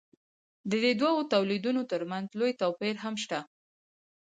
د دې دوو تولیدونو ترمنځ لوی توپیر هم شته.